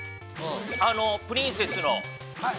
あのプリンセスの。